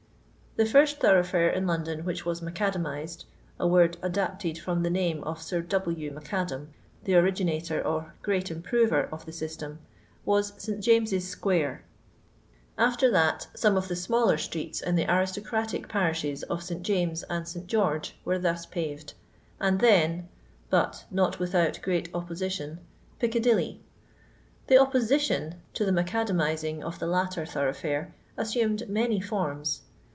The first thoroughfsre in London which was macadamised, a weed adapted from the name of Sir W. Mac Adam, the originator or great improver of thesyatsiDy was St James's square ; ^fter that, some ii tha MiaUer streets in the aristocratic parishes of fit; James and St. Qeoige were thus pavsd, and ^en, but not without great oppo sition, Pioeaditty. The opposition to the macadam izing of the latter thoroughfiire assumed many forms.